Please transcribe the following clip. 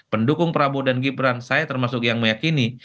pendukung prabowo dan gibran saya termasuk yang meyakini